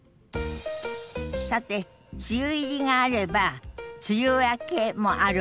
さて梅雨入りがあれば梅雨明けもあるわね。